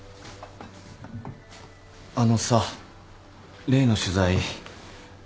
あのさ例の取材。